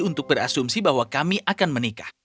untuk berasumsi bahwa kami akan menikah